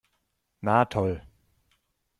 Na toll!